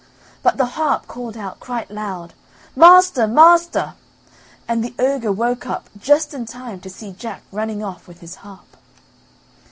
But the harp called out quite loud: "Master! Master!" and the ogre woke up just in time to see Jack running off with his harp.